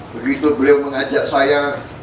begitu beliau mengajak saya